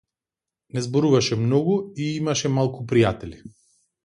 Не зборуваше многу и имаше малку пријатели.